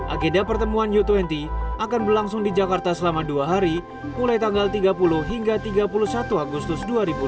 agenda pertemuan u dua puluh akan berlangsung di jakarta selama dua hari mulai tanggal tiga puluh hingga tiga puluh satu agustus dua ribu dua puluh